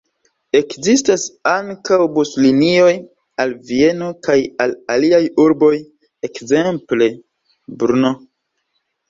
Ekzistas ankaŭ buslinioj al Vieno kaj al aliaj urboj, ekzemple Brno.